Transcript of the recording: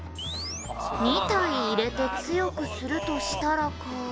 「２体入れて強くするとしたらか」